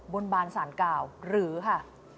บนบานสารกล่าวหรือค่ะ